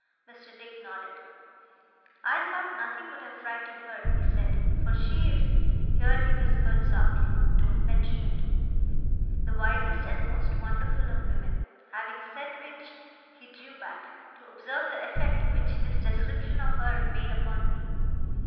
Mr. Dick nodded. 'I thought nothing would have frightened her,' he said, 'for she's ' here he whispered softly, 'don't mention it the wisest and most wonderful of women.' Having said which, he drew back, to observe the effect which this description of her made upon me.